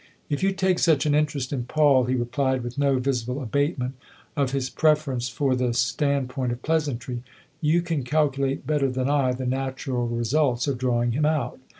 " If you take such an interest in Paul," he replied with no visible abatement of his preference for the stand point of pleasantry, "you can calculate better than I the natural results of drawing him out.